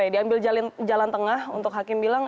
diambil jalan tengah untuk hakim bilang